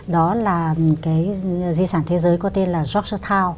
đó là cái di sản thế giới có tên là jobsow